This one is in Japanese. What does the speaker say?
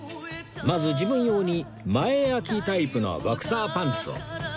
まず自分用に前開きタイプのボクサーパンツを